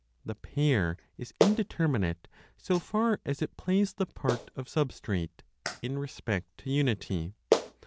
The "pair" is indeterminate so far as it plays the part of substrate (in respect to unity).